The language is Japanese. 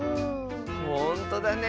ほんとだね。